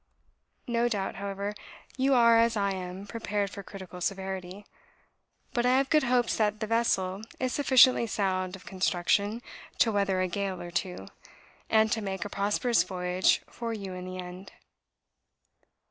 No doubt, however, you are, as I am, prepared for critical severity; but I have good hopes that the vessel is sufficiently sound of construction to weather a gale or two, and to make a prosperous voyage for you in the end."